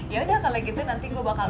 yaudah kalau gitu nanti gue bakal